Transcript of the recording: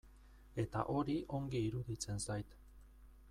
Eta hori ongi iruditzen zait.